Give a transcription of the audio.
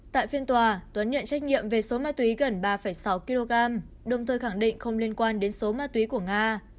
tại phiên tòa tuấn nhận trách nhiệm về số ma túy gần ba sáu kg đồng thời khẳng định không liên quan đến số ma túy của nga